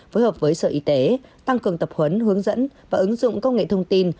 phối hợp với sở y tế tăng cường tập huấn hướng dẫn và ứng dụng công nghệ thông tin